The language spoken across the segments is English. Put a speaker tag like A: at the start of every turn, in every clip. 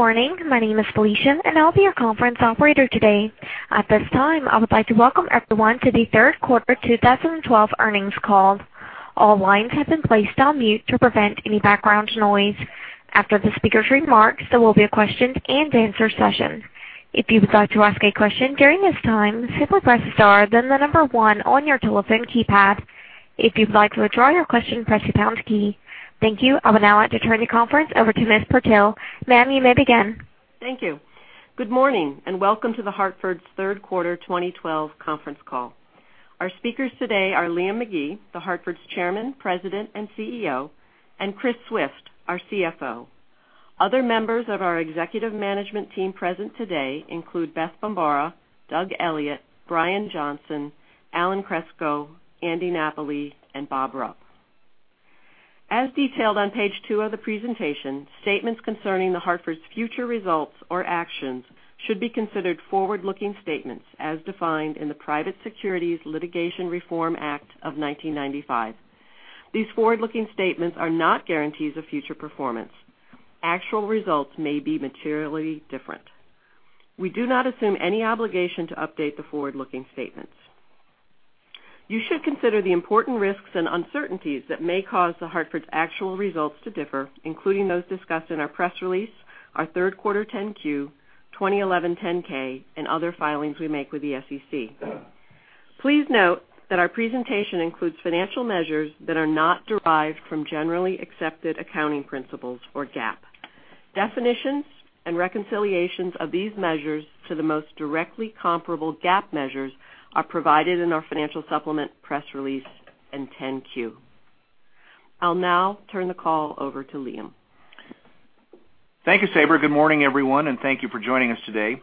A: Good morning. My name is Felicia, and I'll be your conference operator today. At this time, I would like to welcome everyone to the third quarter 2012 earnings call. All lines have been placed on mute to prevent any background noise. After the speaker's remarks, there will be a question and answer session. If you would like to ask a question during this time, simply press star then the number one on your telephone keypad. If you'd like to withdraw your question, press the pound key. Thank you. I would now like to turn the conference over to Ms. Purtill. Ma'am, you may begin.
B: Thank you. Good morning, welcome to The Hartford's third quarter 2012 conference call. Our speakers today are Liam McGee, The Hartford's Chairman, President, and CEO, and Chris Swift, our CFO. Other members of our executive management team present today include Beth Bombara, Doug Elliot, Brian Johnson, Alan Kreps, Andy Napoli, and Robert Rupp. As detailed on page two of the presentation, statements concerning The Hartford's future results or actions should be considered forward-looking statements as defined in the Private Securities Litigation Reform Act of 1995. These forward-looking statements are not guarantees of future performance. Actual results may be materially different. We do not assume any obligation to update the forward-looking statements. You should consider the important risks and uncertainties that may cause The Hartford's actual results to differ, including those discussed in our press release, our third quarter 10-Q, 2011 10-K, and other filings we make with the SEC. Please note that our presentation includes financial measures that are not derived from generally accepted accounting principles or GAAP. Definitions and reconciliations of these measures to the most directly comparable GAAP measures are provided in our financial supplement, press release, and 10-Q. I'll now turn the call over to Liam.
C: Thank you, Sabra. Good morning, everyone, thank you for joining us today.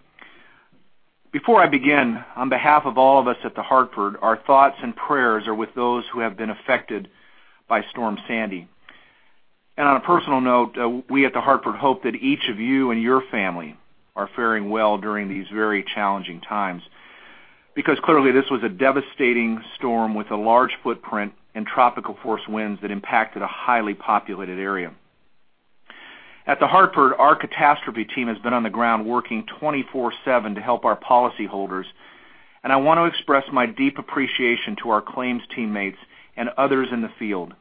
C: Before I begin, on behalf of all of us at The Hartford, our thoughts and prayers are with those who have been affected by Hurricane Sandy. On a personal note, we at The Hartford hope that each of you and your family are faring well during these very challenging times because clearly this was a devastating storm with a large footprint and tropical force winds that impacted a highly populated area. At The Hartford, our catastrophe team has been on the ground working 24/7 to help our policyholders, and I want to express my deep appreciation to our claims teammates and others in the field.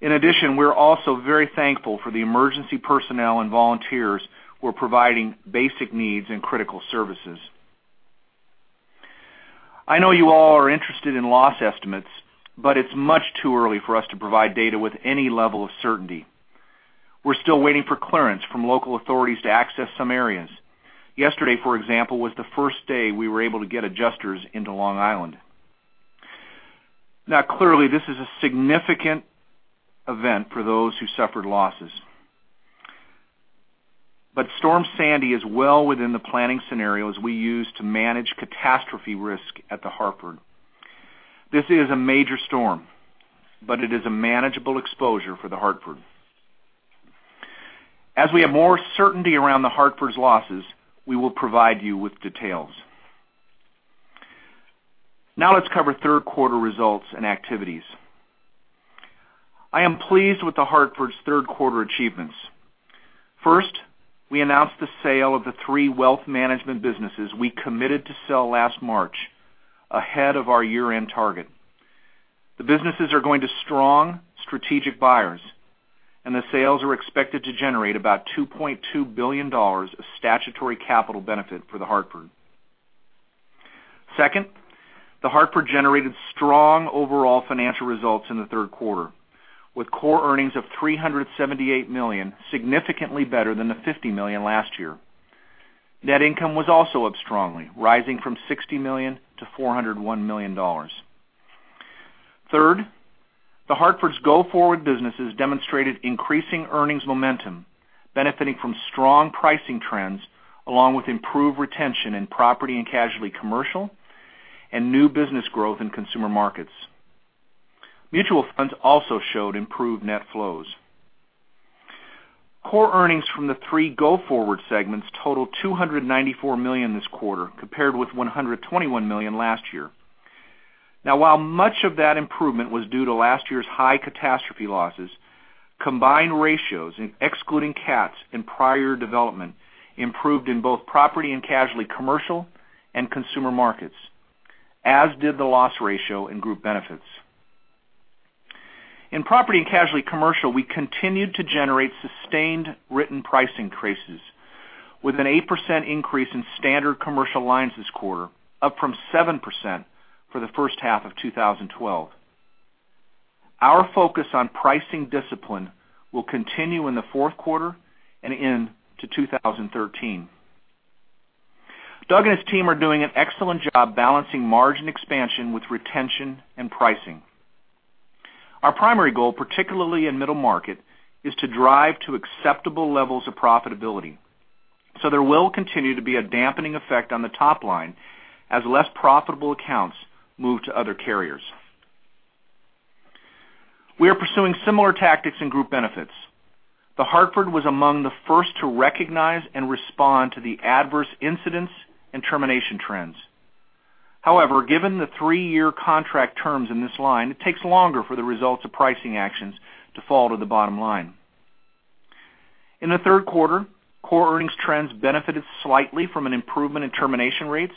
C: In addition, we're also very thankful for the emergency personnel and volunteers who are providing basic needs and critical services. I know you all are interested in loss estimates, it's much too early for us to provide data with any level of certainty. We're still waiting for clearance from local authorities to access some areas. Yesterday, for example, was the first day we were able to get adjusters into Long Island. Clearly, this is a significant event for those who suffered losses. Hurricane Sandy is well within the planning scenarios we use to manage catastrophe risk at The Hartford. This is a major storm, but it is a manageable exposure for The Hartford. As we have more certainty around The Hartford's losses, we will provide you with details. Let's cover third quarter results and activities. I am pleased with The Hartford's third quarter achievements. First, we announced the sale of the three wealth management businesses we committed to sell last March ahead of our year-end target. The businesses are going to strong strategic buyers, and the sales are expected to generate about $2.2 billion of statutory capital benefit for The Hartford. Second, The Hartford generated strong overall financial results in the third quarter, with core earnings of $378 million, significantly better than the $50 million last year. Net income was also up strongly, rising from $60 million to $401 million. Third, The Hartford's go-forward businesses demonstrated increasing earnings momentum, benefiting from strong pricing trends along with improved retention in Property and Casualty Commercial and new business growth in Consumer Markets. Mutual funds also showed improved net flows. Core earnings from the three go-forward segments totaled $294 million this quarter, compared with $121 million last year. While much of that improvement was due to last year's high catastrophe losses, combined ratios in excluding CATs and prior development improved in both Property and Casualty Commercial and Consumer Markets, as did the loss ratio in Group Benefits. In Property and Casualty Commercial, we continued to generate sustained written price increases with an 8% increase in standard commercial lines this quarter, up from 7% for the first half of 2012. Our focus on pricing discipline will continue in the fourth quarter and into 2013. Doug and his team are doing an excellent job balancing margin expansion with retention and pricing. Our primary goal, particularly in middle market, is to drive to acceptable levels of profitability. There will continue to be a dampening effect on the top line as less profitable accounts move to other carriers. We are pursuing similar tactics in Group Benefits. The Hartford was among the first to recognize and respond to the adverse incidents and termination trends. However, given the three-year contract terms in this line, it takes longer for the results of pricing actions to fall to the bottom line. In the third quarter, core earnings trends benefited slightly from an improvement in termination rates,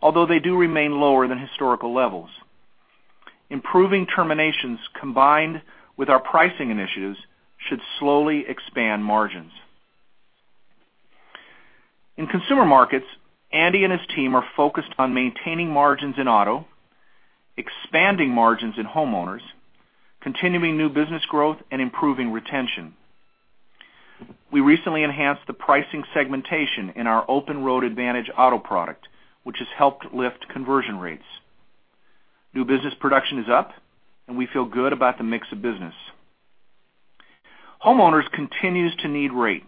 C: although they do remain lower than historical levels. Improving terminations combined with our pricing initiatives should slowly expand margins. In Consumer Markets, Andy and his team are focused on maintaining margins in auto, expanding margins in homeowners, continuing new business growth, and improving retention. We recently enhanced the pricing segmentation in our Open Road Advantage auto product, which has helped lift conversion rates. New business production is up, and we feel good about the mix of business. Homeowners continues to need rate,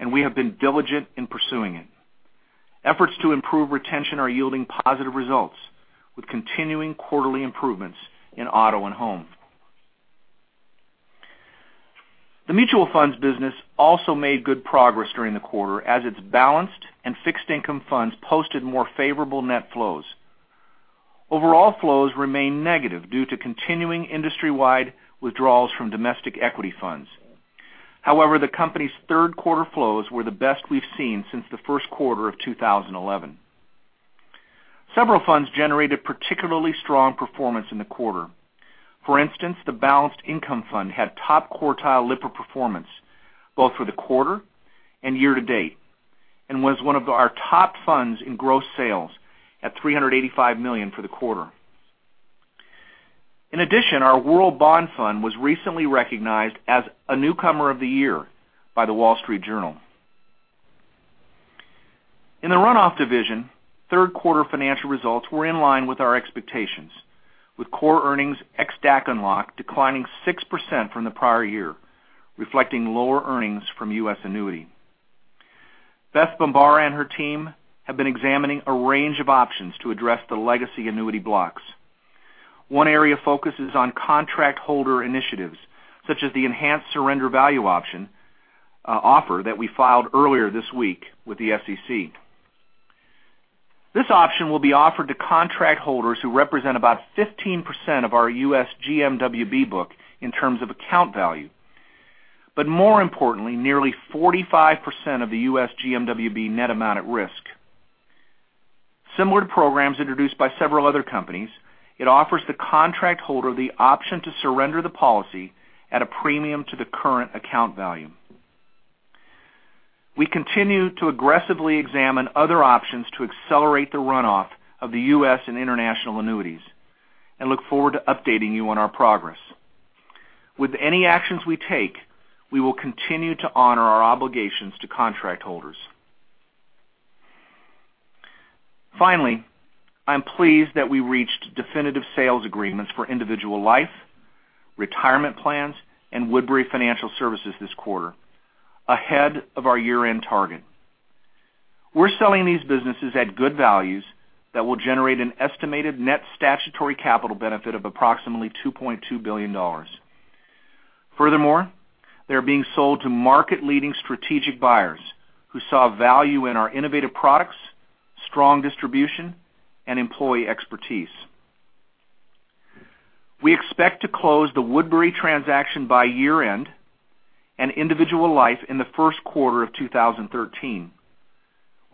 C: and we have been diligent in pursuing it. Efforts to improve retention are yielding positive results, with continuing quarterly improvements in auto and home. The mutual funds business also made good progress during the quarter as its balanced and fixed income funds posted more favorable net flows. Overall flows remain negative due to continuing industry-wide withdrawals from domestic equity funds. However, the company's third quarter flows were the best we've seen since the first quarter of 2011. Several funds generated particularly strong performance in the quarter. For instance, the balanced income fund had top quartile Lipper performance both for the quarter and year to date and was one of our top funds in gross sales at $385 million for the quarter. In addition, our world bond fund was recently recognized as a newcomer of the year by The Wall Street Journal. In the runoff division, third quarter financial results were in line with our expectations, with core earnings ex-DAC unlock declining 6% from the prior year, reflecting lower earnings from U.S. annuity. Beth Bombara and her team have been examining a range of options to address the legacy annuity blocks. One area of focus is on contract holder initiatives, such as the enhanced surrender value offer that we filed earlier this week with the SEC. This option will be offered to contract holders who represent about 15% of our U.S. GMWB book in terms of account value, but more importantly, nearly 45% of the U.S. GMWB net amount at risk. Similar to programs introduced by several other companies, it offers the contract holder the option to surrender the policy at a premium to the current account value. We continue to aggressively examine other options to accelerate the runoff of the U.S. and international annuities and look forward to updating you on our progress. With any actions we take, we will continue to honor our obligations to contract holders. Finally, I'm pleased that we reached definitive sales agreements for Individual Life, Retirement Plans, and Woodbury Financial Services this quarter, ahead of our year-end target. We're selling these businesses at good values that will generate an estimated net statutory capital benefit of approximately $2.2 billion. Furthermore, they're being sold to market-leading strategic buyers who saw value in our innovative products, strong distribution, and employee expertise. We expect to close the Woodbury transaction by year-end and Individual Life in the first quarter of 2013.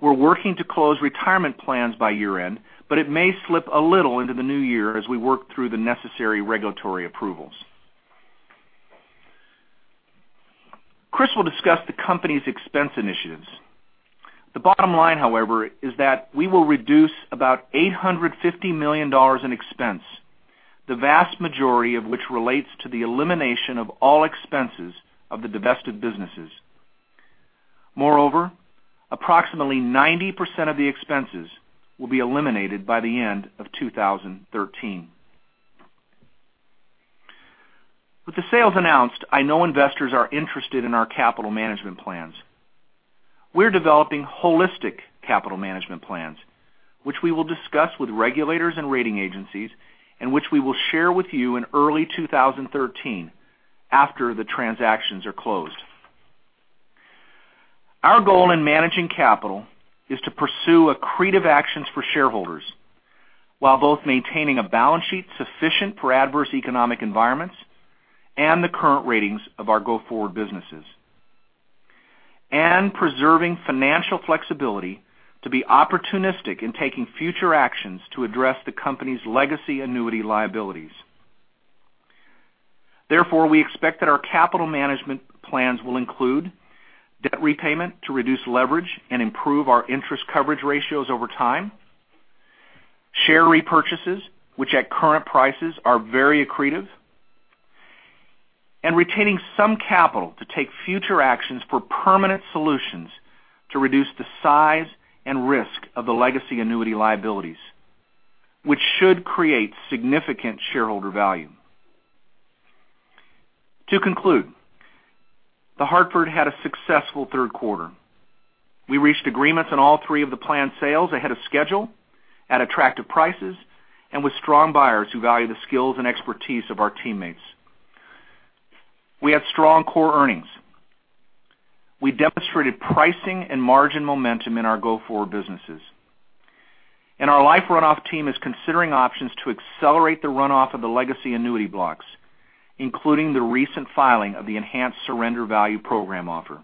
C: We're working to close Retirement Plans by year-end, but it may slip a little into the new year as we work through the necessary regulatory approvals. Chris will discuss the company's expense initiatives. The bottom line, however, is that we will reduce about $850 million in expense, the vast majority of which relates to the elimination of all expenses of the divested businesses. Moreover, approximately 90% of the expenses will be eliminated by the end of 2013. With the sales announced, I know investors are interested in our capital management plans. We're developing holistic capital management plans, which we will discuss with regulators and rating agencies, and which we will share with you in early 2013, after the transactions are closed. Our goal in managing capital is to pursue accretive actions for shareholders while both maintaining a balance sheet sufficient for adverse economic environments and the current ratings of our go-forward businesses and preserving financial flexibility to be opportunistic in taking future actions to address the company's legacy annuity liabilities. We expect that our capital management plans will include debt repayment to reduce leverage and improve our interest coverage ratios over time, share repurchases, which at current prices are very accretive, and retaining some capital to take future actions for permanent solutions to reduce the size and risk of the legacy annuity liabilities, which should create significant shareholder value. To conclude, The Hartford had a successful third quarter. We reached agreements on all three of the planned sales ahead of schedule, at attractive prices, and with strong buyers who value the skills and expertise of our teammates. We had strong core earnings. We demonstrated pricing and margin momentum in our go-forward businesses. Our life runoff team is considering options to accelerate the runoff of the legacy annuity blocks, including the recent filing of the Enhanced Surrender Value Program offer.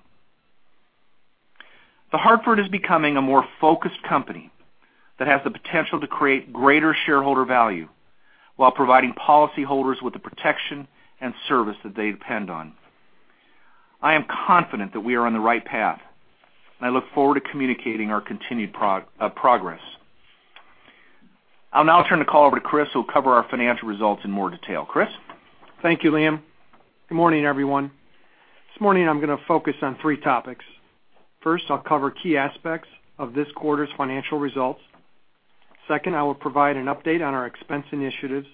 D: Thank you, Liam. Good morning, everyone. This morning I'm going to focus on three topics. First, I'll cover key aspects of this quarter's financial results. Second, I will provide an update on our expense initiatives,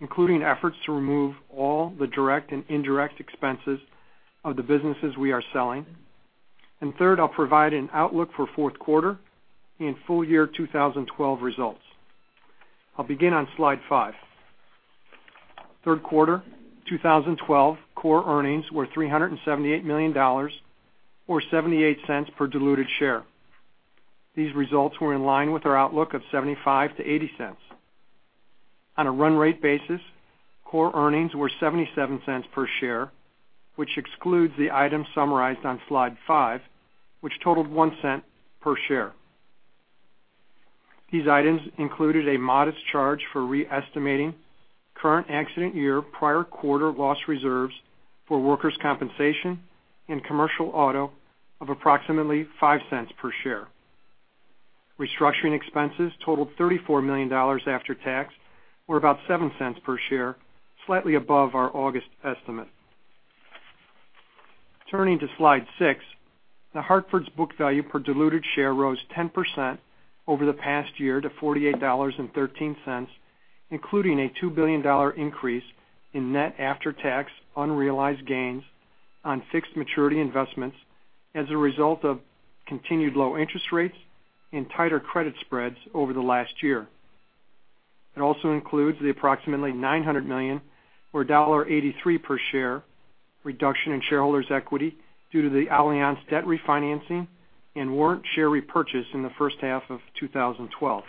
D: including efforts to remove all the direct and indirect expenses of the businesses we are selling. I'll provide an outlook for fourth quarter and full year 2012 results. I'll begin on slide five. Third quarter 2012 core earnings were $378 million, or $0.78 per diluted share. These results were in line with our outlook of $0.75-$0.80. On a run rate basis, core earnings were $0.77 per share, which excludes the items summarized on slide five, which totaled $0.01 per share. These items included a modest charge for re-estimating current accident year, prior quarter loss reserves for workers' compensation and commercial auto of approximately $0.05 per share. Restructuring expenses totaled $34 million after tax, or about $0.07 per share, slightly above our August estimate. Turning to slide six. The Hartford's book value per diluted share rose 10% over the past year to $48.13, including a $2 billion increase in net after-tax unrealized gains on fixed maturity investments as a result of continued low interest rates and tighter credit spreads over the last year. It also includes the approximately $900 million, or $1.83 per share, reduction in shareholders' equity due to the Allianz debt refinancing and warrant share repurchase in the first half of 2012.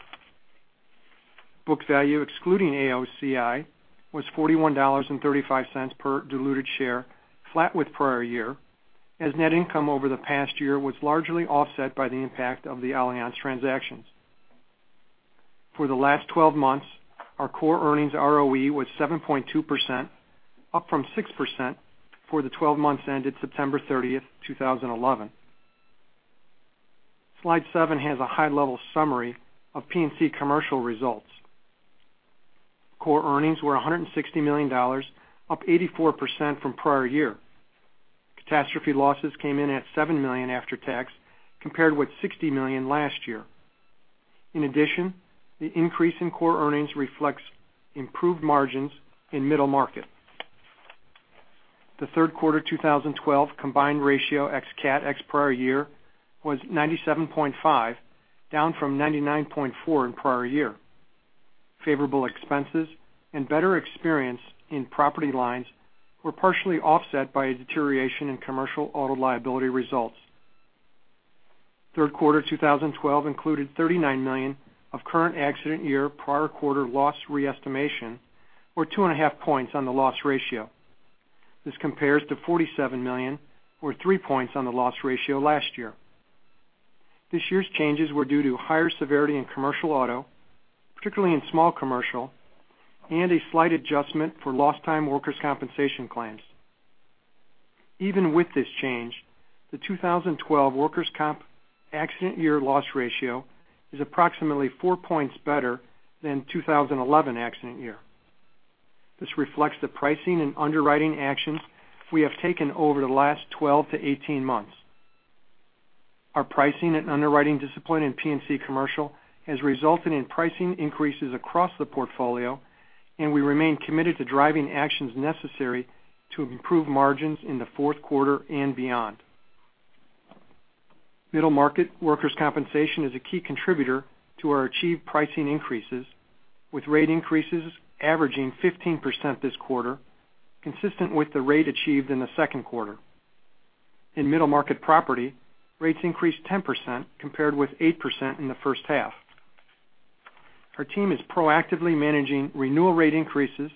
D: Book value excluding AOCI was $41.35 per diluted share, flat with prior year, as net income over the past year was largely offset by the impact of the Allianz transactions. For the last 12 months, the increase in core earnings reflects improved margins in Middle Market. The third quarter 2012 combined ratio ex-CAT, ex-prior year was 97.5, down from 99.4 in prior year. Favorable expenses and better experience in property lines were partially offset by a deterioration in Commercial Auto liability results. Third quarter 2012 included $39 million of current accident year, prior quarter loss re-estimation, or two and a half points on the loss ratio. This compares to $47 million, or three points on the loss ratio last year. This year's changes were due to higher severity in Commercial Auto, particularly in Small Commercial, and a slight adjustment for lost time workers' compensation claims. Even with this change, the 2012 workers' comp accident year loss ratio is approximately four points better than 2011 accident year. This reflects the pricing and underwriting actions we have taken over the last 12-18 months. Our pricing and underwriting discipline in P&C Commercial has resulted in pricing increases across the portfolio, and we remain committed to driving actions necessary to improve margins in the fourth quarter and beyond. Middle Market workers' compensation is a key contributor to our achieved pricing increases, with rate increases averaging 15% this quarter, consistent with the rate achieved in the second quarter. In Middle Market property, rates increased 10% compared with 8% in the first half. Our team is proactively managing renewal rate increases,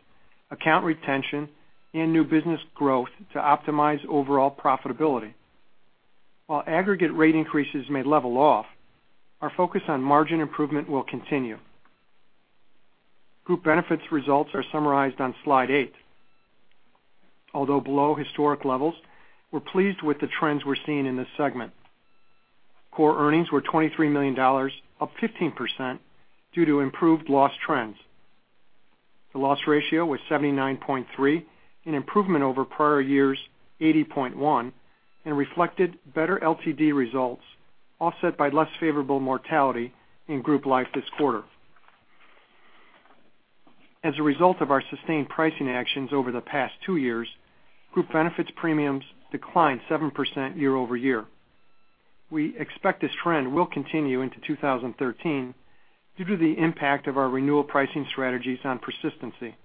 D: account retention, and new business growth to optimize overall profitability. While aggregate rate increases may level off, our focus on margin improvement will continue. Group Benefits results are summarized on Slide eight. Although below historic levels, we're pleased with the trends we're seeing in this segment. Core earnings were $23 million, up 15% due to improved loss trends. The loss ratio was 79.3, an improvement over prior year's 80.1, and reflected better LTD results, offset by less favorable mortality in Group Life this quarter. As a result of our sustained pricing actions over the past two years, Group Benefits premiums declined 7% year-over-year. We expect this trend will continue into 2013 due to the impact of our renewal pricing strategies on persistency.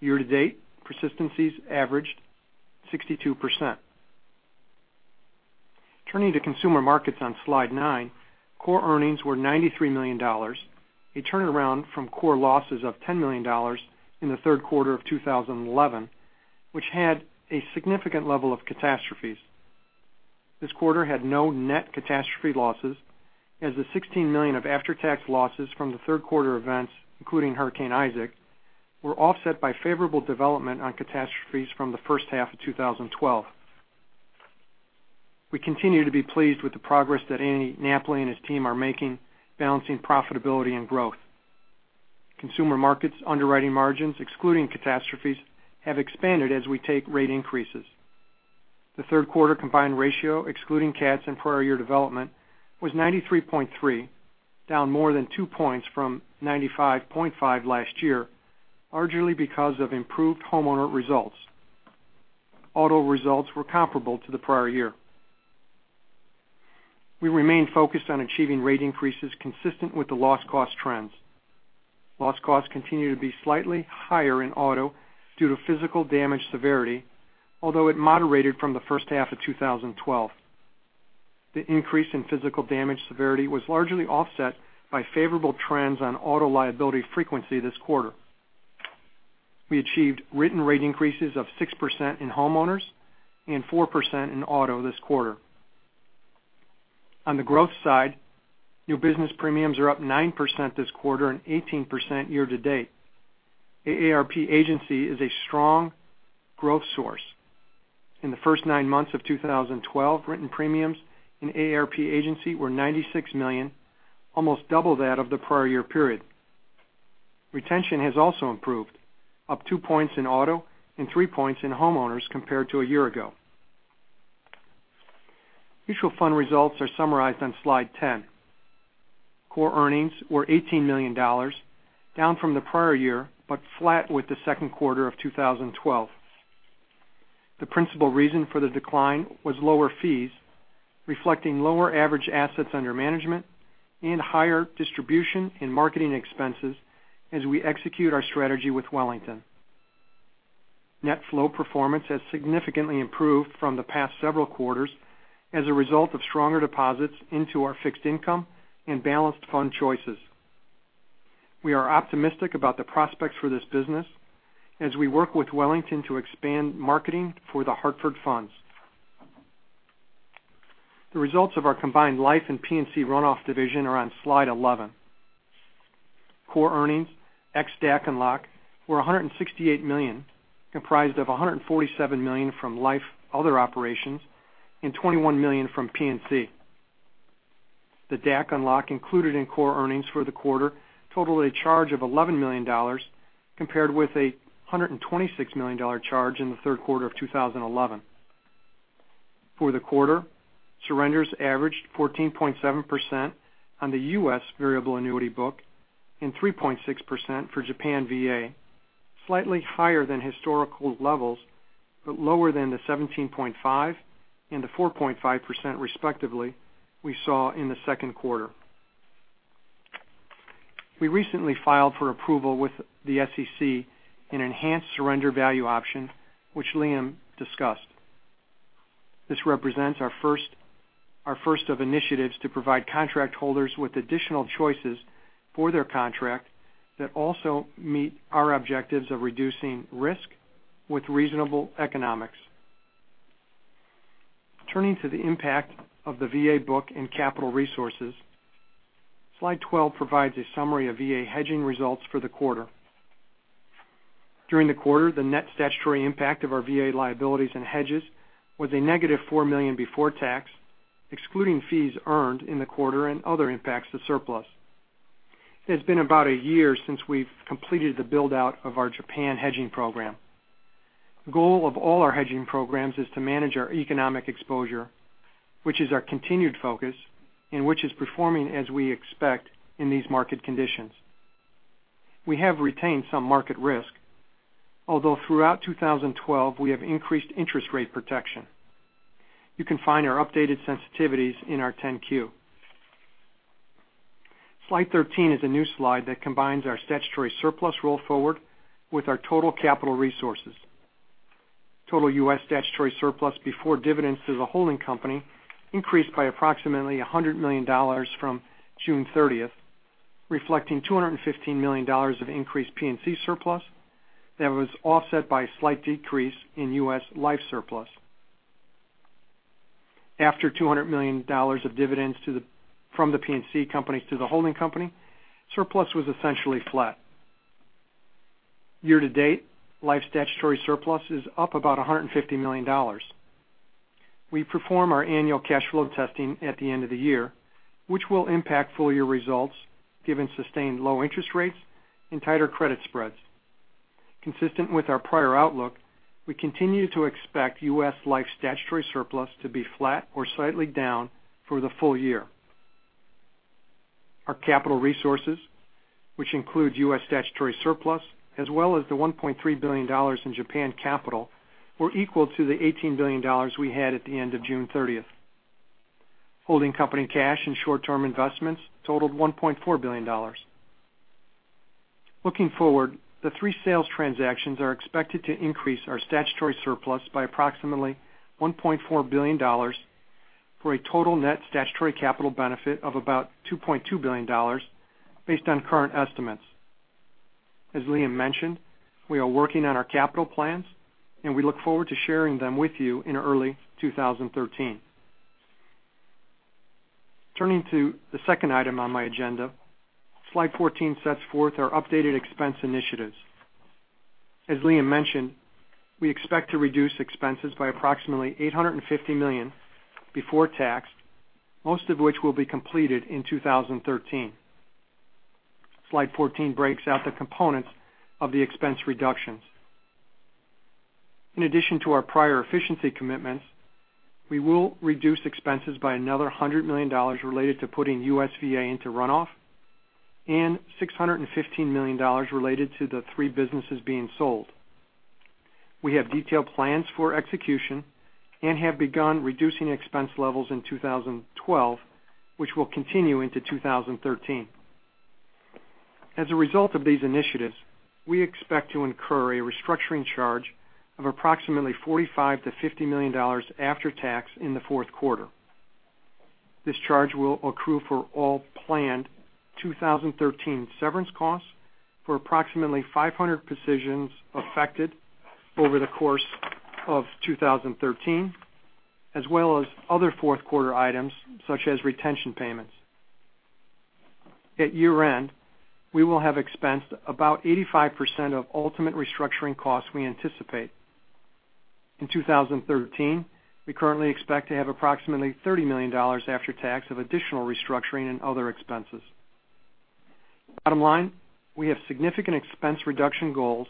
D: Year-to-date persistencies averaged 62%. Turning to Consumer Markets on Slide nine, core earnings were $93 million, a turnaround from core losses of $10 million in the third quarter of 2011, which had a significant level of catastrophes. This quarter had no net catastrophe losses, as the $16 million of after-tax losses from the third quarter events, including Hurricane Isaac, were offset by favorable development on catastrophes from the first half of 2012. We continue to be pleased with the progress that Andy Napoli and his team are making balancing profitability and growth. Consumer Markets' underwriting margins, excluding catastrophes, have expanded as we take rate increases. The third quarter combined ratio, excluding CATs and prior year development, was 93.3, down more than two points from 95.5 last year, largely because of improved homeowner results. Auto results were comparable to the prior year. We remain focused on achieving rate increases consistent with the loss cost trends. Loss costs continue to be slightly higher in Auto due to physical damage severity, although it moderated from the first half of 2012. The increase in physical damage severity was largely offset by favorable trends on auto liability frequency this quarter. We achieved written rate increases of 6% in homeowners and 4% in auto this quarter. On the growth side, new business premiums are up 9% this quarter and 18% year-to-date. AARP Agency is a strong growth source. In the first nine months of 2012, written premiums in AARP Agency were $96 million, almost double that of the prior year period. Retention has also improved, up two points in auto and three points in homeowners compared to a year ago. Mutual fund results are summarized on Slide 10. Core earnings were $18 million, down from the prior year, but flat with the second quarter of 2012. The principal reason for the decline was lower fees, reflecting lower average assets under management and higher distribution and marketing expenses as we execute our strategy with Wellington. Net flow performance has significantly improved from the past several quarters as a result of stronger deposits into our fixed income and balanced fund choices. We are optimistic about the prospects for this business as we work with Wellington to expand marketing for The Hartford Funds. The results of our combined Life and P&C runoff division are on Slide 11. Core earnings, ex DAC and LOC, were $168 million, comprised of $147 million from life other operations and $21 million from P&C. The DAC and LOC included in core earnings for the quarter totaled a charge of $11 million, compared with a $126 million charge in the third quarter of 2011. For the quarter, surrenders averaged 14.7% on the U.S. variable annuity book and 3.6% for Japan VA, slightly higher than historical levels, but lower than the 17.5% and the 4.5%, respectively, we saw in the second quarter. We recently filed for approval with the SEC an enhanced surrender value option, which Liam discussed. This represents our first of initiatives to provide contract holders with additional choices for their contract that also meet our objectives of reducing risk with reasonable economics. Turning to the impact of the VA book and capital resources, Slide 12 provides a summary of VA hedging results for the quarter. During the quarter, the net statutory impact of our VA liabilities and hedges was a negative $4 million before tax, excluding fees earned in the quarter and other impacts to surplus. It has been about a year since we've completed the build-out of our Japan hedging program. The goal of all our hedging programs is to manage our economic exposure, which is our continued focus and which is performing as we expect in these market conditions. We have retained some market risk, although throughout 2012, we have increased interest rate protection. You can find our updated sensitivities in our 10-Q. Slide 13 is a new slide that combines our statutory surplus roll forward with our total capital resources. Total U.S. statutory surplus before dividends to the holding company increased by approximately $100 million from June 30th, reflecting $215 million of increased P&C surplus that was offset by a slight decrease in U.S. Life surplus. After $200 million of dividends from the P&C companies to the holding company, surplus was essentially flat. Year-to-date, Life statutory surplus is up about $150 million. We perform our annual cash flow testing at the end of the year, which will impact full-year results given sustained low interest rates and tighter credit spreads. Consistent with our prior outlook, we continue to expect U.S. Life statutory surplus to be flat or slightly down for the full year. Our capital resources, which include U.S. statutory surplus, as well as the $1.3 billion in Japan capital, were equal to the $18 billion we had at the end of June 30th. Holding company cash and short-term investments totaled $1.4 billion. Looking forward, the three sales transactions are expected to increase our statutory surplus by approximately $1.4 billion, for a total net statutory capital benefit of about $2.2 billion based on current estimates. As Liam mentioned, we are working on our capital plans, and we look forward to sharing them with you in early 2013. Turning to the second item on my agenda, Slide 14 sets forth our updated expense initiatives. As Liam mentioned, we expect to reduce expenses by approximately $850 million before tax, most of which will be completed in 2013. Slide 14 breaks out the components of the expense reductions. In addition to our prior efficiency commitments, we will reduce expenses by another $100 million related to putting U.S. VA into runoff and $615 million related to the three businesses being sold. We have detailed plans for execution and have begun reducing expense levels in 2012, which will continue into 2013. As a result of these initiatives, we expect to incur a restructuring charge of approximately $45 million-$50 million after tax in the fourth quarter. This charge will accrue for all planned 2013 severance costs for approximately 500 positions affected over the course of 2013, as well as other fourth quarter items such as retention payments. At year-end, we will have expensed about 85% of ultimate restructuring costs we anticipate. In 2013, we currently expect to have approximately $30 million after tax of additional restructuring and other expenses. Bottom line, we have significant expense reduction goals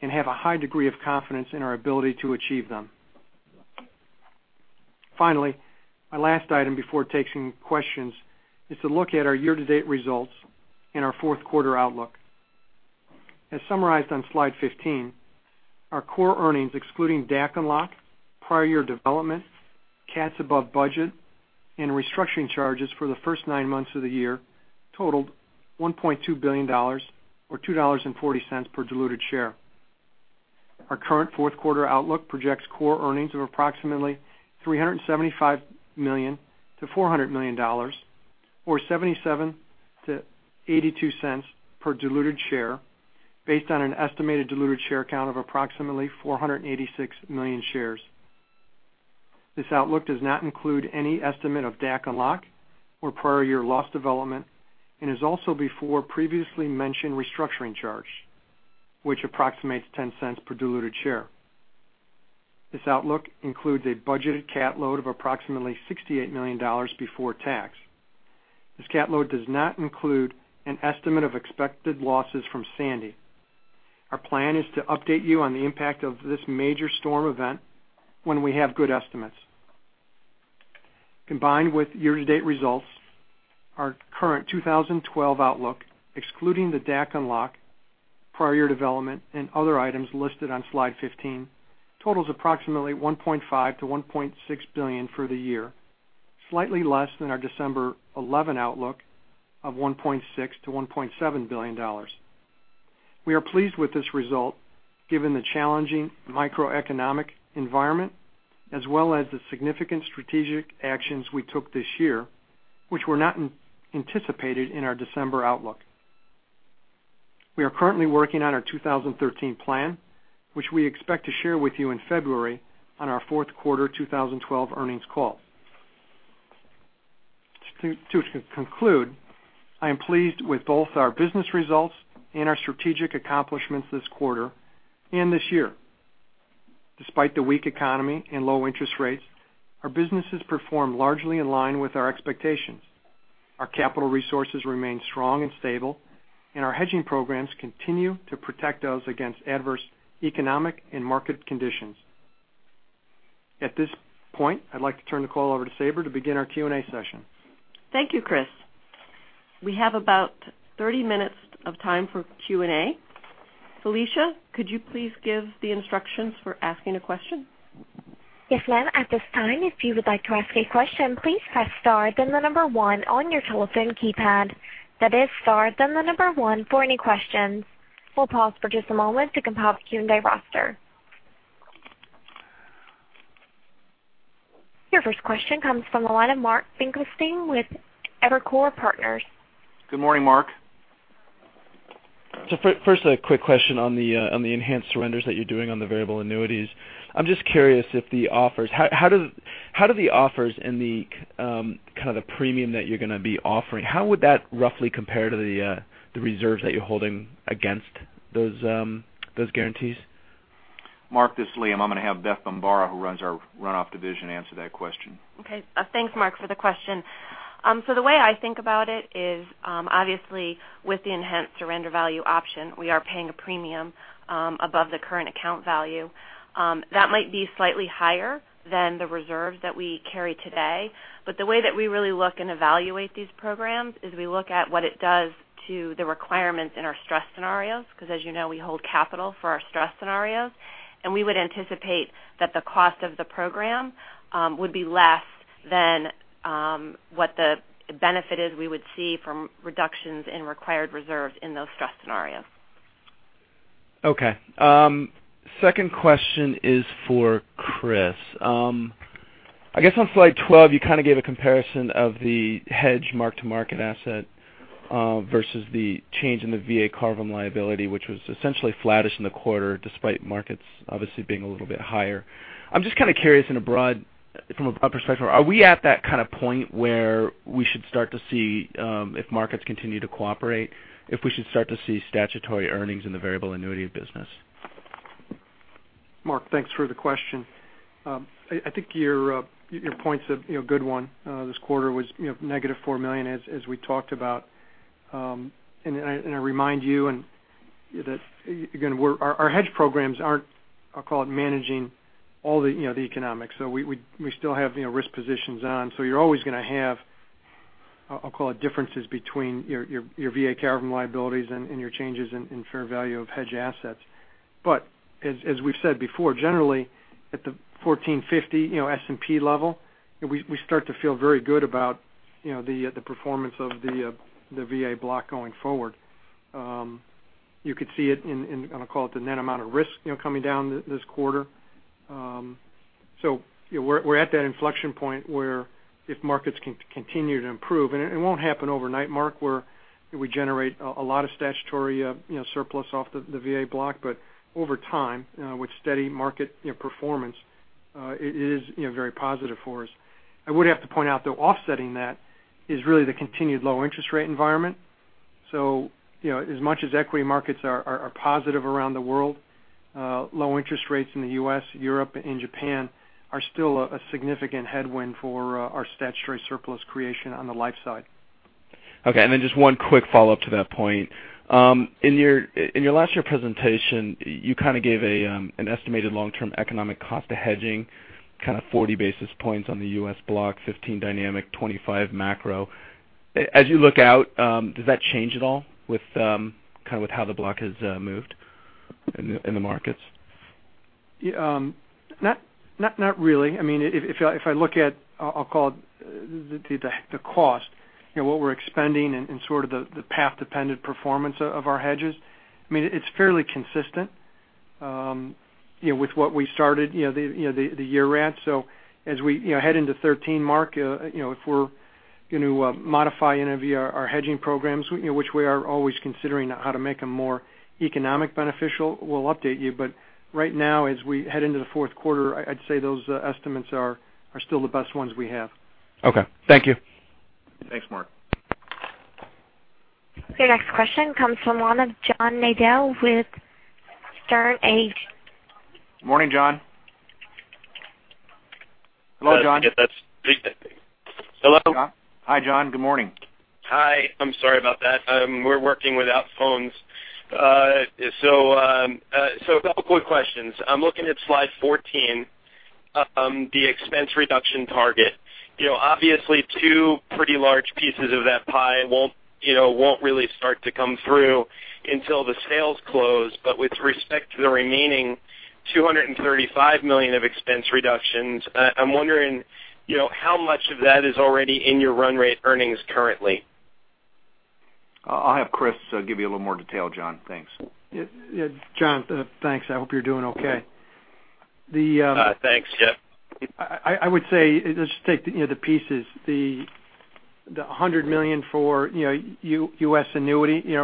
D: and have a high degree of confidence in our ability to achieve them. Finally, my last item before taking questions is to look at our year-to-date results and our fourth quarter outlook. As summarized on Slide 15, our core earnings excluding DAC unlock, prior year development, CATs above budget, and restructuring charges for the first nine months of the year totaled $1.2 billion or $2.40 per diluted share. Our current fourth quarter outlook projects core earnings of approximately $375 million-$400 million or $0.77-$0.82 per diluted share based on an estimated diluted share count of approximately 486 million shares. This outlook does not include any estimate of DAC unlock or prior year loss development and is also before previously mentioned restructuring charge, which approximates $0.10 per diluted share. This outlook includes a budgeted CAT load of approximately $68 million before tax. This CAT load does not include an estimate of expected losses from Sandy. Our plan is to update you on the impact of this major storm event when we have good estimates. Combined with year-to-date results, our current 2012 outlook, excluding the DAC unlock, prior year development, and other items listed on slide 15, totals approximately $1.5 billion-$1.6 billion for the year, slightly less than our December 11 outlook of $1.6 billion-$1.7 billion. We are pleased with this result given the challenging microeconomic environment as well as the significant strategic actions we took this year, which were not anticipated in our December outlook. We are currently working on our 2013 plan, which we expect to share with you in February on our fourth quarter 2012 earnings call. To conclude, I am pleased with both our business results and our strategic accomplishments this quarter and this year. Despite the weak economy and low interest rates, our businesses performed largely in line with our expectations. Our capital resources remain strong and stable, our hedging programs continue to protect us against adverse economic and market conditions. At this point, I'd like to turn the call over to Sabra to begin our Q&A session.
B: Thank you, Chris. We have about 30 minutes of time for Q&A. Felicia, could you please give the instructions for asking a question?
A: Yes, ma'am. At this time, if you would like to ask a question, please press star then the number one on your telephone keypad. That is star then the number one for any questions. We'll pause for just a moment to compile the Q&A roster. Your first question comes from the line of Mark Finkelstein with Evercore Partners.
D: Good morning, Mark.
E: First, a quick question on the enhanced surrenders that you're doing on the variable annuities. I'm just curious if the offers, how do the offers and the kind of the premium that you're going to be offering, how would that roughly compare to the reserves that you're holding against those guarantees? Mark, this is Liam. I'm going to have Beth Bombara, who runs our runoff division, answer that question.
F: Okay. Thanks, Mark, for the question. The way I think about it is, obviously, with the enhanced surrender value option, we are paying a premium above the current account value. That might be slightly higher than the reserves that we carry today. The way that we really look and evaluate these programs is we look at what it does to the requirements in our stress scenarios, because as you know, we hold capital for our stress scenarios. We would anticipate that the cost of the program would be less than what the benefit is we would see from reductions in required reserves in those stress scenarios.
E: Okay. Second question is for Chris. I guess on slide 12, you kind of gave a comparison of the hedge mark-to-market asset versus the change in the VA CARVE-IN liability, which was essentially flattish in the quarter, despite markets obviously being a little bit higher. I'm just kind of curious in a broad from a perspective, are we at that kind of point where we should start to see, if markets continue to cooperate, if we should start to see statutory earnings in the variable annuity business?
D: Mark, thanks for the question. I think your point's a good one. This quarter was negative $4 million, as we talked about. I remind you that, again, our hedge programs aren't, I'll call it managing all the economics. We still have risk positions on. You're always going to have, I'll call it differences between your VA CARVE-IN liabilities and your changes in fair value of hedge assets. As we've said before, generally at the 1,450 S&P level, we start to feel very good about the performance of the VA block going forward. You could see it in, I'm going to call it the NAR coming down this quarter. We're at that inflection point where if markets can continue to improve, and it won't happen overnight, Mark, where we generate a lot of statutory surplus off the VA block, but over time, with steady market performance, it is very positive for us. I would have to point out, though, offsetting that is really the continued low interest rate environment. As much as equity markets are positive around the world, low interest rates in the U.S., Europe, and Japan are still a significant headwind for our statutory surplus creation on the life side.
E: Okay, just one quick follow-up to that point. In your last year presentation, you kind of gave an estimated long-term economic cost to hedging, kind of 40 basis points on the U.S. block, 15 dynamic, 25 macro. As you look out, does that change at all with kind of how the block has moved in the markets?
D: Not really. If I look at, I'll call it the cost, what we're expending and sort of the path-dependent performance of our hedges, it's fairly consistent with what we started the year at. As we head into 2013, Mark, if we're going to modify any of our hedging programs, which we are always considering how to make them more economic beneficial, we'll update you. Right now, as we head into the fourth quarter, I'd say those estimates are still the best ones we have.
E: Okay. Thank you.
C: Thanks, Mark.
A: Your next question comes from John Nadel with Sterne Agee.
C: Morning, John.
D: Hello, John. Hello. Hi, John. Good morning.
G: Hi. I'm sorry about that. We're working without phones. A couple of quick questions. I'm looking at slide 14, the expense reduction target. Obviously, two pretty large pieces of that pie won't really start to come through until the sales close. With respect to the remaining $235 million of expense reductions, I'm wondering how much of that is already in your run rate earnings currently?
C: I'll have Chris give you a little more detail, John. Thanks.
D: John, thanks. I hope you're doing okay.
G: Thanks, yeah.
D: I would say, let's just take the pieces. The $100 million for U.S. annuity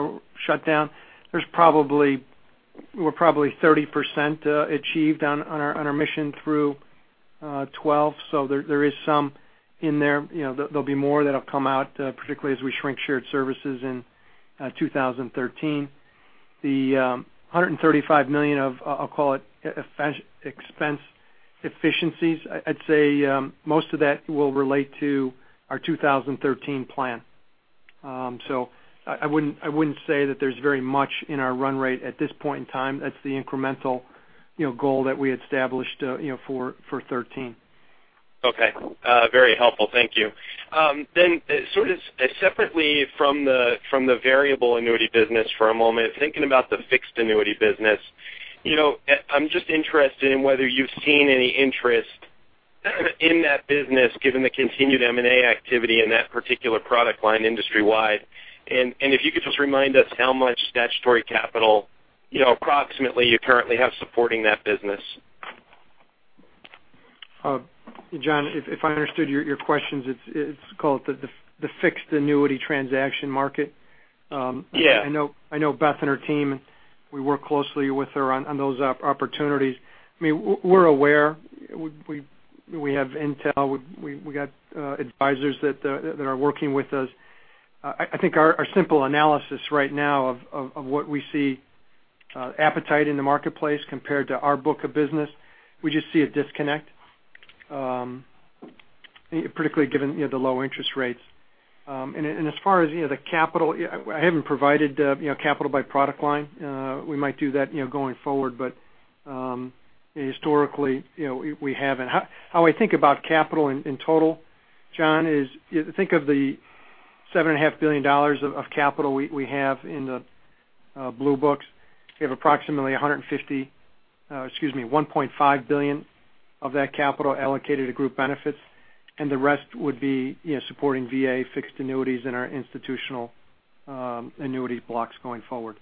D: shutdown, we're probably 30% achieved on our mission through 2012. There is some in there. There'll be more that'll come out, particularly as we shrink shared services in 2013. The $135 million of, I'll call it expense efficiencies, I'd say most of that will relate to our 2013 plan. I wouldn't say that there's very much in our run rate at this point in time. That's the incremental goal that we established for 2013.
G: Okay. Very helpful. Thank you. Sort of separately from the variable annuity business for a moment, thinking about the fixed annuity business, I'm just interested in whether you've seen any interest in that business, given the continued M&A activity in that particular product line industry-wide. If you could just remind us how much statutory capital, approximately you currently have supporting that business.
D: John, if I understood your questions, it's called the fixed annuity transaction market.
G: Yeah.
D: I know Beth and her team, we work closely with her on those opportunities. We're aware. We have intel. We got advisors that are working with us. I think our simple analysis right now of what we see appetite in the marketplace compared to our book of business, we just see a disconnect, particularly given the low interest rates. As far as the capital, I haven't provided capital by product line. We might do that going forward. Historically, we haven't. How I think about capital in total, John, is think of the $7.5 billion of capital we have in the blue books. We have approximately $1.5 billion of that capital allocated to Group Benefits, and the rest would be supporting VA fixed annuities in our institutional annuities blocks going forward.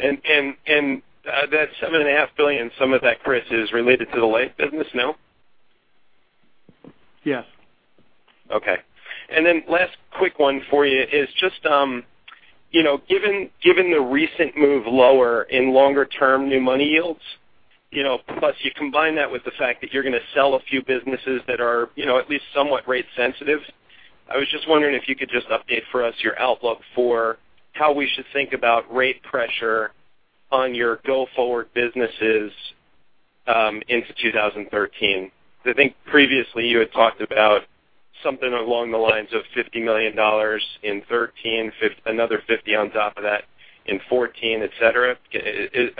G: That $7.5 billion, some of that, Chris, is related to the life business, no?
D: Yes.
G: Okay. Then last quick one for you is just given the recent move lower in longer term new money yields, plus you combine that with the fact that you're going to sell a few businesses that are at least somewhat rate sensitive. I was just wondering if you could just update for us your outlook for how we should think about rate pressure on your go-forward businesses into 2013. Because I think previously you had talked about something along the lines of $50 million in 2013, another $50 on top of that in 2014, et cetera. Is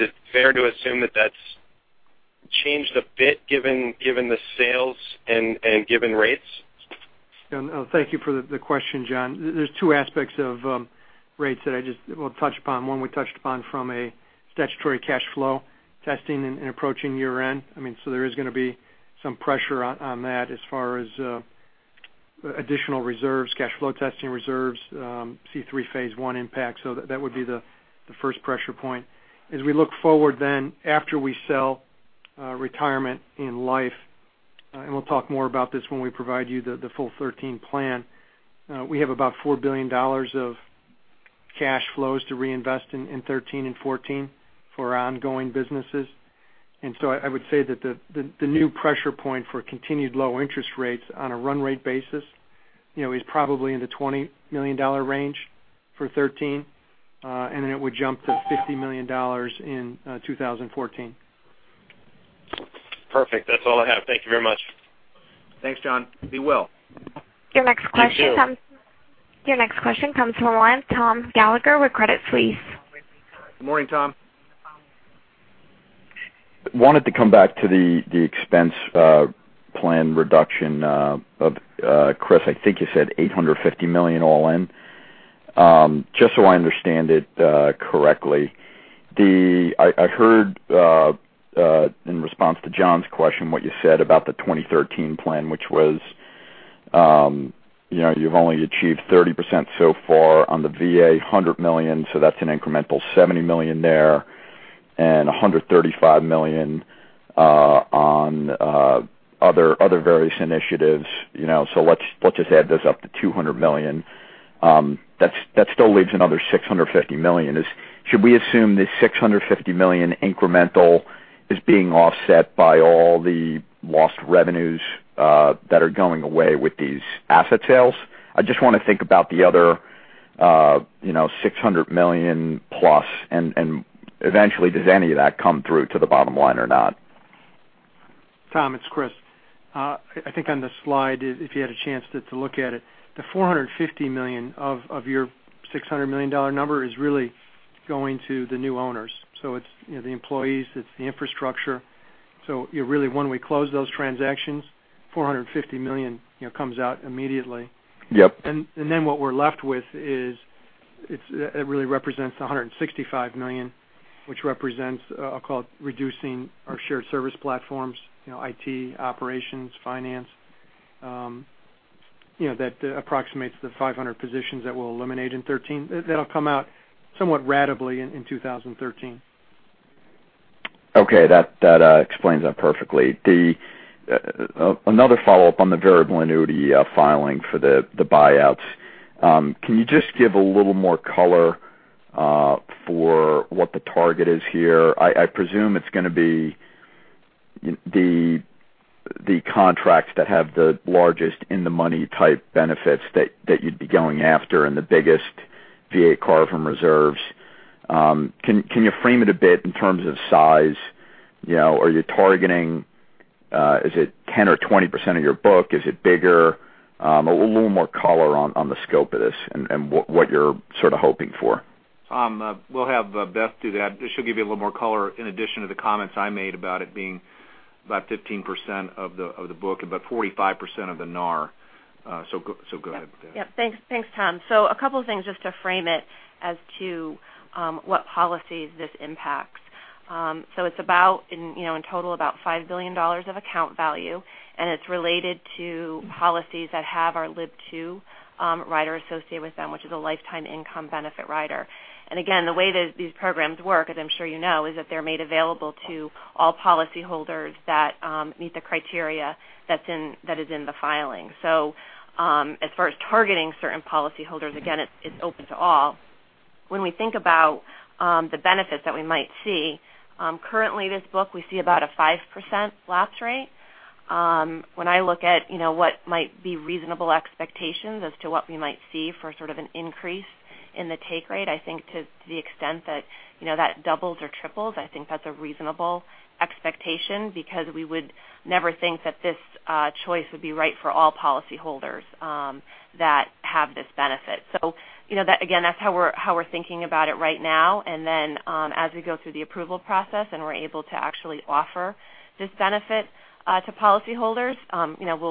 G: it fair to assume that that's changed a bit given the sales and given rates?
D: Thank you for the question, John. There's two aspects of rates that we'll touch upon. One, we touched upon from a statutory cash flow testing and approaching year-end. There is going to be some pressure on that as far as additional reserves, cash flow testing reserves, C-3 Phase I impact. That would be the first pressure point. As we look forward then after we sell Retirement and Life, and we'll talk more about this when we provide you the full 2013 plan, we have about $4 billion of cash flows to reinvest in 2013 and 2014 for our ongoing businesses. I would say that the new pressure point for continued low interest rates on a run rate basis is probably in the $20 million range for 2013, and then it would jump to $50 million in 2014.
G: Perfect. That's all I have. Thank you very much.
D: Thanks, John. Be well.
A: Your next question-
G: You, too.
A: Your next question comes from the line of Thomas Gallagher with Credit Suisse.
D: Good morning, Tom.
H: Wanted to come back to the expense plan reduction of, Chris, I think you said $850 million all in. Just so I understand it correctly, I heard in response to John's question what you said about the 2013 plan, which was you've only achieved 30% so far on the VA, $100 million, so that's an incremental $70 million there, and $135 million on other various initiatives. Let's just add those up to $200 million. That still leaves another $650 million. Should we assume this $650 million incremental is being offset by all the lost revenues that are going away with these asset sales? I just want to think about the other $600 million-plus, and eventually, does any of that come through to the bottom line or not?
D: Tom, it's Chris. I think on the slide, if you had a chance to look at it, the $450 million of your $600 million number is really going to the new owners. It's the employees, it's the infrastructure. Really when we close those transactions, $450 million comes out immediately.
H: Yep.
D: What we're left with really represents $165 million, which represents, I'll call it, reducing our shared service platforms, IT, operations, finance, that approximates the 500 positions that we'll eliminate in 2013. That'll come out somewhat ratably in 2013.
H: Okay. That explains that perfectly. Another follow-up on the variable annuity filing for the buyouts. Can you just give a little more color for what the target is here? I presume it's going to be the contracts that have the largest in-the-money type benefits that you'd be going after and the biggest VA carve from reserves. Can you frame it a bit in terms of size? Are you targeting, is it 10% or 20% of your book? Is it bigger? A little more color on the scope of this and what you're sort of hoping for.
D: Tom, we'll have Beth do that. She'll give you a little more color in addition to the comments I made about it being about 15% of the book, about 45% of the NAR. Go ahead, Beth.
F: Yep. Thanks, Tom. A couple of things just to frame it as to what policies this impacts. It's in total about $5 billion of account value, and it's related to policies that have our LIB II rider associated with them, which is a lifetime income benefit rider. Again, the way these programs work, as I'm sure you know, is that they're made available to all policyholders that meet the criteria that is in the filing. As far as targeting certain policyholders, again, it's open to all. When we think about the benefits that we might see, currently this book, we see about a 5% lapse rate. When I look at what might be reasonable expectations as to what we might see for sort of an increase in the take rate, I think to the extent that doubles or triples, I think that's a reasonable expectation because we would never think that this choice would be right for all policyholders that have this benefit. Again, that's how we're thinking about it right now, and then as we go through the approval process and we're able to actually offer this benefit to policyholders,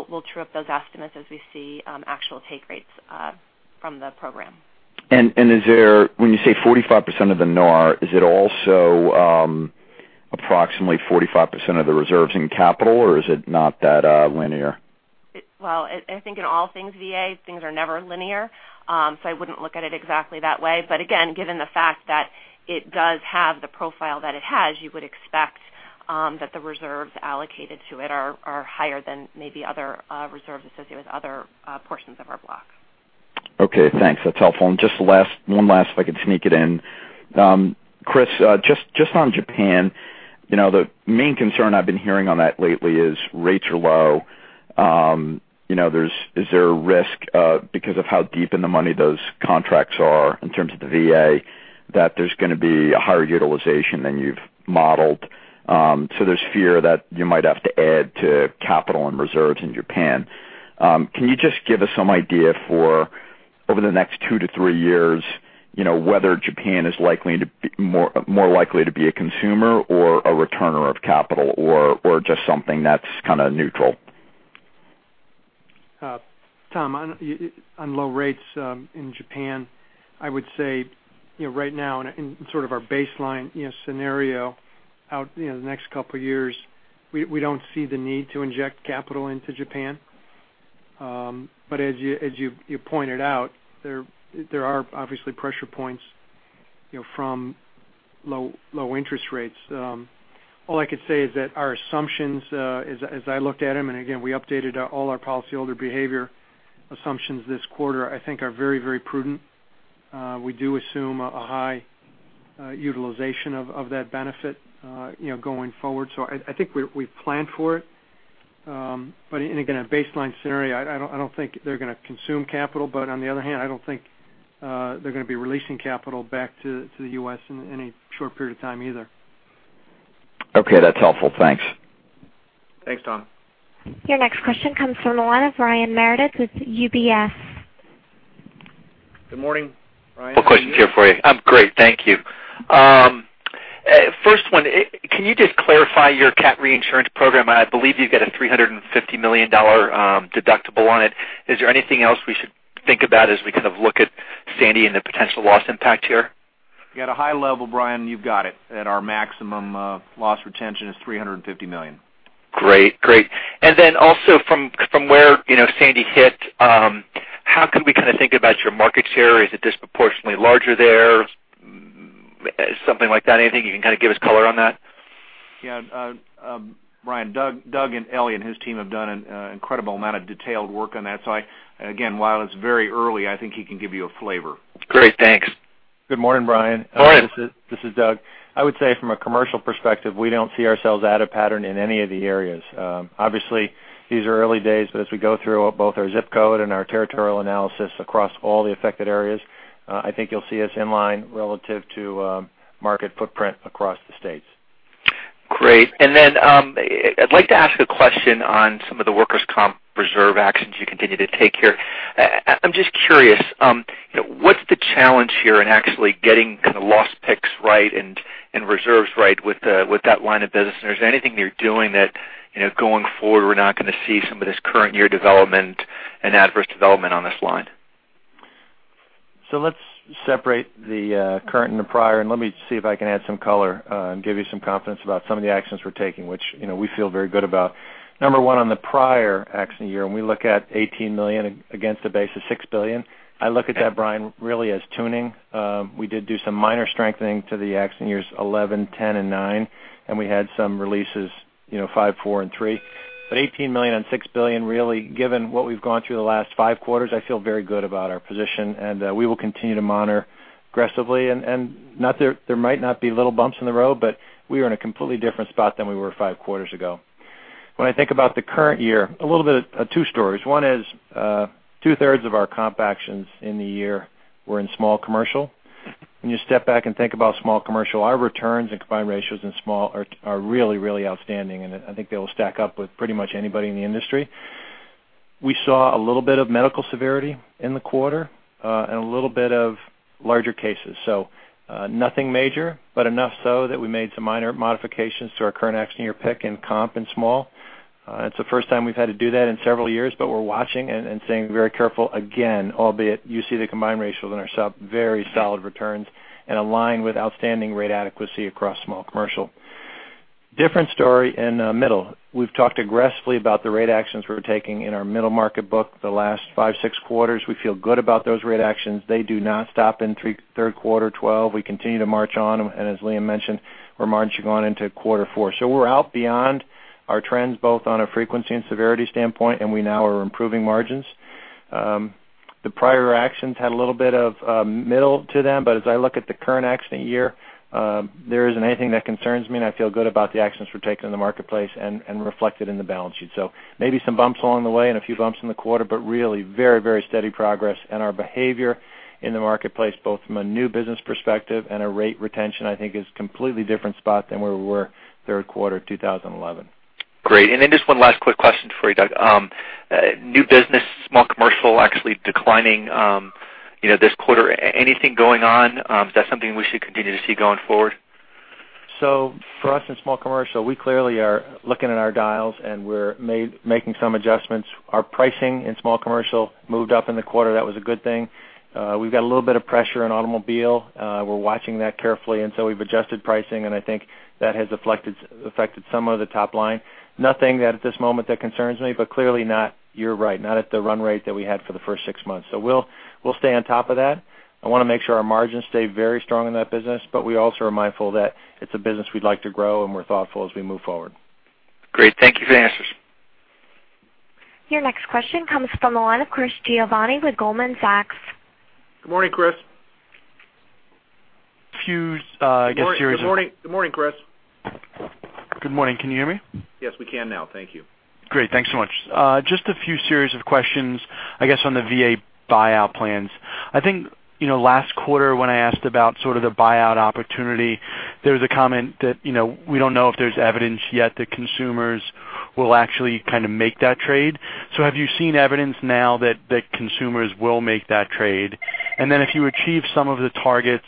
F: we'll trip those estimates as we see actual take rates from the program.
H: When you say 45% of the NAR, is it also approximately 45% of the reserves in capital, or is it not that linear?
F: I think in all things VA, things are never linear. I wouldn't look at it exactly that way. Again, given the fact that it does have the profile that it has, you would expect that the reserves allocated to it are higher than maybe other reserves associated with other portions of our blocks.
H: Okay, thanks. That's helpful. Just one last, if I could sneak it in. Chris, just on Japan, the main concern I've been hearing on that lately is rates are low. Is there a risk because of how deep in the money those contracts are in terms of the VA, that there's going to be a higher utilization than you've modeled? There's fear that you might have to add to capital and reserves in Japan. Can you just give us some idea for over the next two to three years, whether Japan is more likely to be a consumer or a returner of capital or just something that's kind of neutral?
D: Tom, on low rates in Japan, I would say right now in sort of our baseline scenario out the next couple of years, we don't see the need to inject capital into Japan. As you pointed out, there are obviously pressure points from low interest rates. All I could say is that our assumptions, as I looked at them, and again, we updated all our policyholder behavior assumptions this quarter, I think are very, very prudent. We do assume a high utilization of that benefit going forward. I think we've planned for it. Again, a baseline scenario, I don't think they're going to consume capital, but on the other hand, I don't think they're going to be releasing capital back to the U.S. in any short period of time either.
H: Okay, that's helpful. Thanks.
C: Thanks, Tom.
A: Your next question comes from the line of Brian Meredith with UBS.
C: Good morning, Brian. How are you?
I: One question here for you. I'm great. Thank you. First one, can you just clarify your CAT reinsurance program? I believe you've got a $350 million deductible on it. Is there anything else we should think about as we kind of look at Sandy and the potential loss impact here?
C: At a high level, Brian, you've got it, that our maximum loss retention is $350 million.
I: Great. Also from where Sandy hit, how can we kind of think about your market share? Is it disproportionately larger there? Something like that? Anything you can kind of give us color on that?
C: Yeah. Brian, Doug and Elliot and his team have done an incredible amount of detailed work on that. Again, while it's very early, I think he can give you a flavor.
I: Great. Thanks.
J: Good morning, Brian. Morning. This is Doug. I would say from a commercial perspective, we don't see ourselves out of pattern in any of the areas. Obviously, these are early days, as we go through both our zip code and our territorial analysis across all the affected areas, I think you'll see us in line relative to market footprint across the states.
I: Great. Then I'd like to ask a question on some of the workers' comp reserve actions you continue to take here. I'm just curious, what's the challenge here in actually getting kind of loss picks right and reserves right with that line of business? Is there anything you're doing that, going forward, we're not going to see some of this current year development and adverse development on this line?
J: Let's separate the current and the prior, let me see if I can add some color and give you some confidence about some of the actions we're taking, which we feel very good about. Number one, on the prior action year, when we look at $18 million against a base of $6 billion, I look at that, Brian, really as tuning. We did do some minor strengthening to the action years 2011, 2010, and 2009, and we had some releases, 2005, 2004, and 2003. $18 million on $6 billion, really, given what we've gone through the last five quarters, I feel very good about our position, and we will continue to monitor aggressively. There might not be little bumps in the road, but we are in a completely different spot than we were five quarters ago. When I think about the current year, a little bit of two stories. One is two-thirds of our comp actions in the year were in small commercial. When you step back and think about small commercial, our returns and combined ratios in small are really, really outstanding, I think they will stack up with pretty much anybody in the industry. We saw a little bit of medical severity in the quarter and a little bit of larger cases. Nothing major, enough so that we made some minor modifications to our current action year pick in comp and small. It's the first time we've had to do that in several years, but we're watching and staying very careful. Again, albeit you see the combined ratios in our sub, very solid returns and aligned with outstanding rate adequacy across small commercial. Different story in middle. We've talked aggressively about the rate actions we're taking in our middle market book the last five, six quarters. We feel good about those rate actions. They do not stop in third quarter 2012. We continue to march on, and as Liam mentioned, we're marching on into quarter four. We're out beyond our trends, both on a frequency and severity standpoint, and we now are improving margins. The prior actions had a little bit of middle to them, but as I look at the current accident year, there isn't anything that concerns me, and I feel good about the actions we're taking in the marketplace and reflected in the balance sheet. Maybe some bumps along the way and a few bumps in the quarter, but really very steady progress. Our behavior in the marketplace, both from a new business perspective and a rate retention, I think is completely different spot than where we were third quarter 2011.
I: Great. Just one last quick question for you, Doug. New business, small commercial actually declining this quarter. Anything going on? Is that something we should continue to see going forward?
J: For us in small commercial, we clearly are looking at our dials, and we're making some adjustments. Our pricing in small commercial moved up in the quarter. That was a good thing. We've got a little bit of pressure on automobile. We're watching that carefully, we've adjusted pricing, and I think that has affected some of the top line. Nothing at this moment that concerns me, but clearly, you're right, not at the run rate that we had for the first six months. We'll stay on top of that. I want to make sure our margins stay very strong in that business, but we also are mindful that it's a business we'd like to grow, and we're thoughtful as we move forward.
I: Great. Thank you for the answers.
A: Your next question comes from the line of Chris Giovanni with Goldman Sachs.
C: Good morning, Chris.
K: Few, I guess series of
C: Good morning, Chris.
K: Good morning. Can you hear me?
C: Yes, we can now. Thank you.
K: Great. Thanks so much. Just a few series of questions, I guess, on the VA buyout plans. I think last quarter when I asked about sort of the buyout opportunity, there was a comment that we don't know if there's evidence yet that consumers will actually kind of make that trade. Have you seen evidence now that consumers will make that trade? If you achieve some of the targets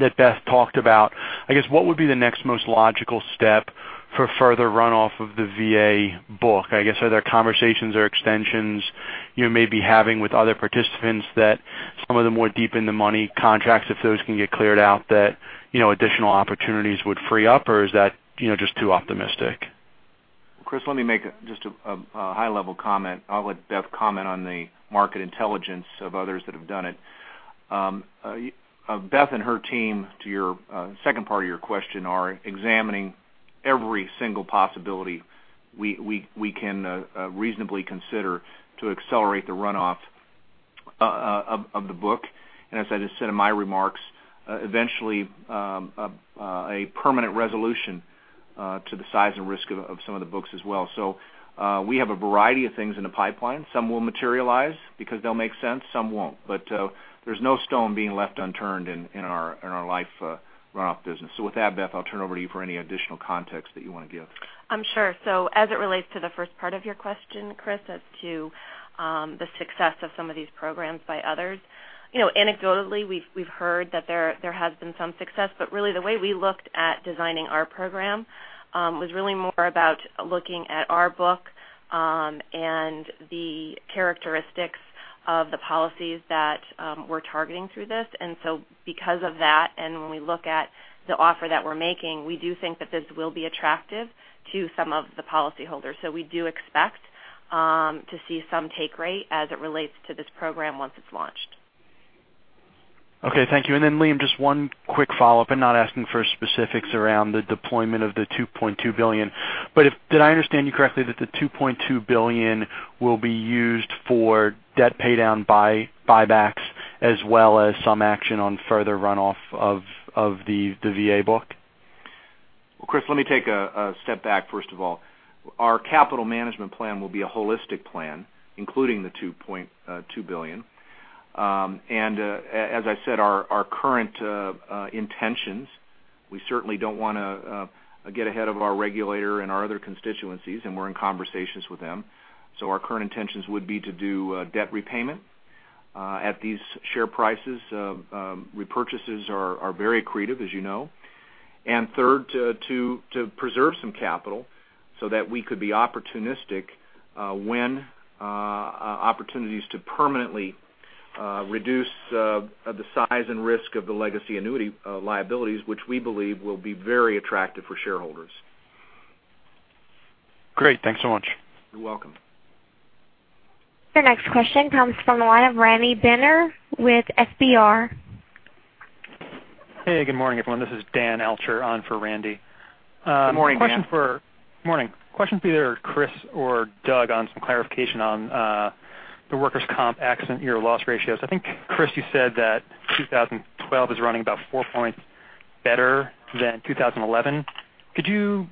K: that Beth talked about, I guess what would be the next most logical step for further runoff of the VA book? I guess, are there conversations or extensions you may be having with other participants that some of the more deep in the money contracts, if those can get cleared out, that additional opportunities would free up? Is that just too optimistic?
C: Chris, let me make just a high-level comment. I'll let Beth comment on the market intelligence of others that have done it. Beth and her team, to your second part of your question, are examining every single possibility we can reasonably consider to accelerate the runoff of the book. As I just said in my remarks, eventually, a permanent resolution to the size and risk of some of the books as well. We have a variety of things in the pipeline. Some will materialize because they'll make sense, some won't. There's no stone being left unturned in our life runoff business. With that, Beth, I'll turn it over to you for any additional context that you want to give.
F: Sure. As it relates to the first part of your question, Chris, as to the success of some of these programs by others, anecdotally, we've heard that there has been some success. Really the way we looked at designing our program was really more about looking at our book and the characteristics of the policies that we're targeting through this. Because of that, and when we look at the offer that we're making, we do think that this will be attractive to some of the policyholders. We do expect to see some take rate as it relates to this program once it's launched.
K: Okay, thank you. Liam, just one quick follow-up, and not asking for specifics around the deployment of the $2.2 billion, but did I understand you correctly that the $2.2 billion will be used for debt paydown buybacks as well as some action on further runoff of the VA book?
C: Chris, let me take a step back, first of all. Our capital management plan will be a holistic plan, including the $2.2 billion. As I said, our current intentions, we certainly don't want to get ahead of our regulator and our other constituencies, and we're in conversations with them. Our current intentions would be to do debt repayment at these share prices. Repurchases are very accretive, as you know. Third, to preserve some capital so that we could be opportunistic when opportunities to permanently reduce the size and risk of the legacy annuity liabilities, which we believe will be very attractive for shareholders.
K: Great. Thanks so much.
C: You're welcome.
A: Your next question comes from the line of Randy Binner with FBR.
L: Hey, good morning, everyone. This is Dan Altscher on for Randy.
C: Good morning, Dan.
L: Morning. Question for either Chris or Doug on some clarification on the workers' comp accident year loss ratios. I think, Chris, you said that 2012 is running about four points better than 2011. Could you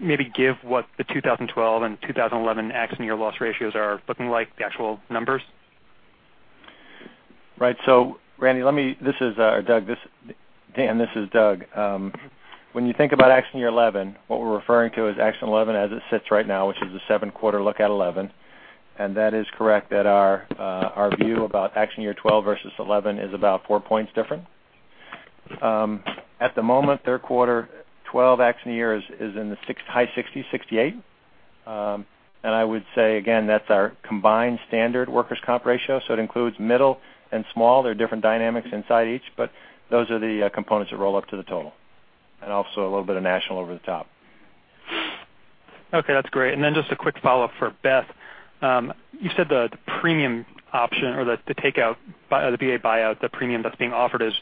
L: maybe give what the 2012 and 2011 accident year loss ratios are looking like, the actual numbers?
J: Right. Randy, Dan, this is Doug. When you think about accident year 2011, what we're referring to is accident 2011 as it sits right now, which is a seven-quarter look at 2011. That is correct that our view about accident year 2012 versus 2011 is about four points different. At the moment, third quarter 2012 accident year is in the high 60s, 68. I would say again, that's our combined standard workers' comp ratio, so it includes middle and small. There are different dynamics inside each, but those are the components that roll up to the total. Also a little bit of national over the top.
L: Okay, that's great. Just a quick follow-up for Beth. You said the premium option or the VA buyout, the premium that's being offered is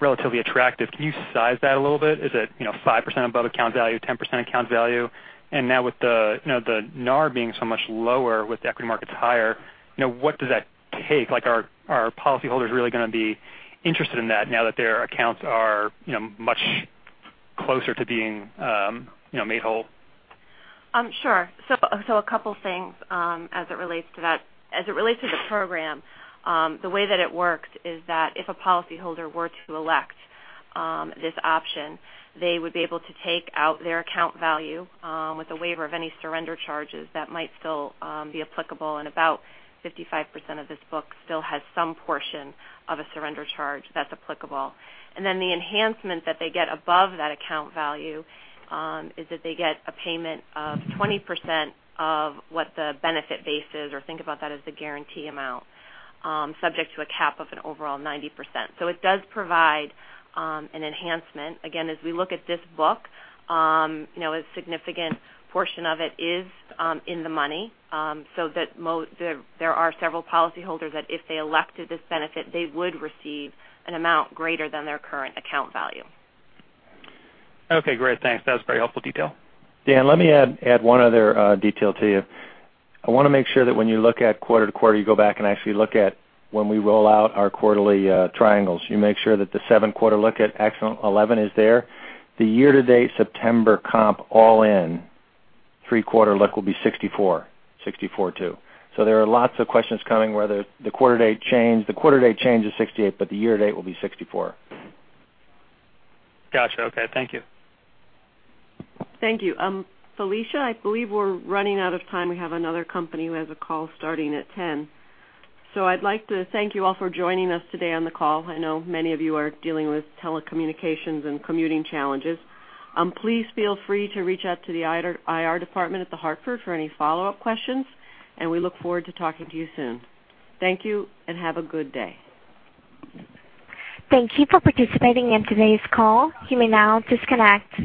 L: relatively attractive. Can you size that a little bit? Is it 5% above account value, 10% account value? Now with the NAR being so much lower with the equity markets higher, what does that take? Are policyholders really going to be interested in that now that their accounts are much closer to being made whole?
F: Sure. A couple things as it relates to the program. The way that it works is that if a policyholder were to elect this option, they would be able to take out their account value with a waiver of any surrender charges that might still be applicable, and about 55% of this book still has some portion of a surrender charge that's applicable. The enhancement that they get above that account value is that they get a payment of 20% of what the benefit base is, or think about that as the guarantee amount, subject to a cap of an overall 90%. It does provide an enhancement. Again, as we look at this book, a significant portion of it is in the money. There are several policyholders that if they elected this benefit, they would receive an amount greater than their current account value.
L: Okay, great. Thanks. That was a very helpful detail.
J: Dan, let me add one other detail to you. I want to make sure that when you look at quarter-to-quarter, you go back and actually look at when we roll out our quarterly triangles. You make sure that the seven quarter look at accident 11 is there. The year-to-date September comp all in three-quarter look will be 64 2. There are lots of questions coming whether the quarter date changed. The quarter date changed to 68. The year date will be 64.
L: Got you. Okay. Thank you.
B: Thank you. Felicia, I believe we're running out of time. We have another company who has a call starting at 10:00. I'd like to thank you all for joining us today on the call. I know many of you are dealing with telecommunications and commuting challenges. Please feel free to reach out to the IR department at The Hartford for any follow-up questions, and we look forward to talking to you soon. Thank you and have a good day.
A: Thank you for participating in today's call. You may now disconnect.